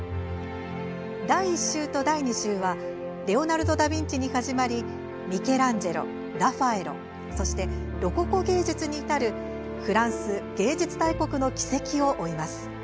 第１集と第２集はレオナルド・ダ・ヴィンチに始まりミケランジェロ、ラファエロそしてロココ芸術に至るフランス芸術大国の軌跡を追います。